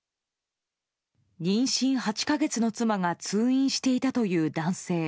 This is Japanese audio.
妊娠８か月の妻が通院していたという男性。